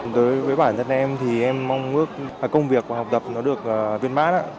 đối với bản thân em thì em mong ước công việc và học tập nó được viên mát